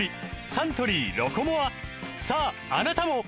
サントリー「ロコモア」さああなたも！